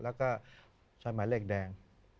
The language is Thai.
แล้วก็ใช้หมายเลขแดง